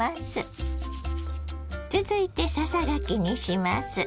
続いてささがきにします。